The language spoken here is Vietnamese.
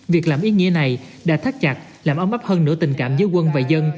việc làm ý nghĩa này đã thắt chặt làm ấm áp hơn nửa tình cảm giữa quân và dân